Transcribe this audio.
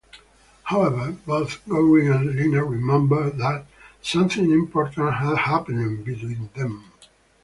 However, both Gourry and Lina remember that something important had happened between them.